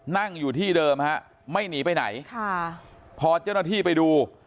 นั่งอยู่ที่เดิมฮะไม่หนีไปไหนค่ะพอเจ้าหน้าที่ไปดู